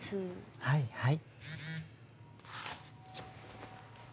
はいはい。